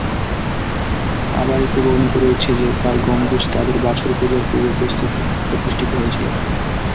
আবার এতে বর্ণিত রয়েছে যে, তার গম্বুজ তাদের বাছুর পূজার পূর্বে প্রতিষ্ঠিত হয়েছিল।